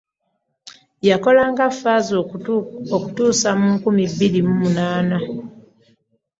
Yakola nga Ffaaza okutuusa mu nkumi bbiri mu munaana.